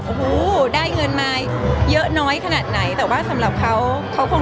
โอ้โหได้เงินมาเยอะน้อยขนาดไหน